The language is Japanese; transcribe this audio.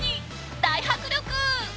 ［大迫力］